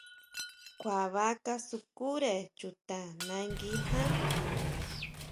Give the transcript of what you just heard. Kjua baa kasukure chuta nangui ján.